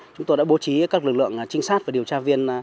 chúng tôi đã bố trí các lực lượng trinh sát và điều tra viên